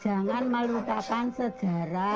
jangan melupakan sejarah